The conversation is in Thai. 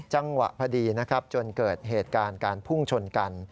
จังหวะพอดีนะครับจนเกิดเหตุการณ์การพุ่งชนกัน